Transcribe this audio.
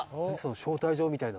「招待状みたいな」